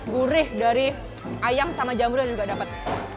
gurih dari ayam sama jamur juga dapet